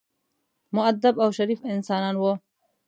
مودب او شریف انسانان وو.